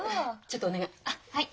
ちょっとお願い。